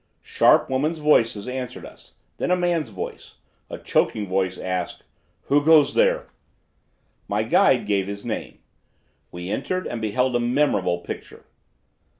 Sharp women's voices answered us, then a man's voice, a choking voice, asked, 'Who goes there?' My guide gave his name. We entered and beheld a memorable picture.